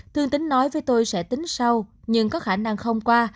thương tính nói với tôi sẽ tính sâu nhưng có khả năng không qua